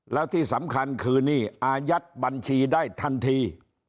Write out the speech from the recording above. แล้วที่สำคัญคือนี่อายัดบัญชีได้ทันที